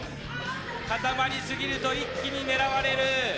固まりすぎると一気に狙われる。